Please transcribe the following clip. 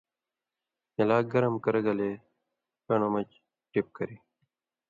ہِلاک گرم کرہ گلے کن٘ڑہۡ مژ ٹِپ کری۔